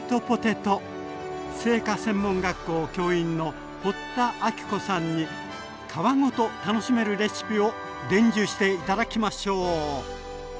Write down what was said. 製菓専門学校教員の堀田朗子さんに皮ごと楽しめるレシピを伝授して頂きましょう！